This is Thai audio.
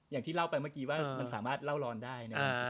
อย่างที่เล่าไปเมื่อกี้ว่ามันสามารถเล่าร้อนได้นะ